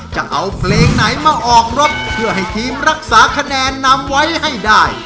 จะเอาเพลงไหนมาออกรถเพื่อให้ทีมรักษาคะแนนนำไว้ให้ได้